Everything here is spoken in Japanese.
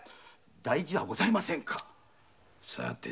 大事はございませんか。